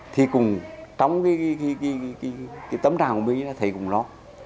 thì cùng trong cái tấm tràng của mình thì thấy cũng lo